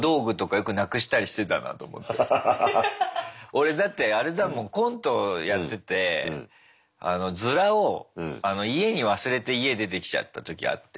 俺だってあれだもんコントやっててヅラを家に忘れて家出てきちゃった時あって。